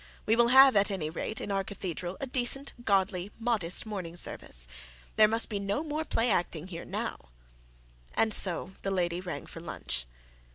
We will have at any rate, in our cathedral, a decent, godly, modest morning service. There must be no more play acting here now;' and so the lady rang for lunch.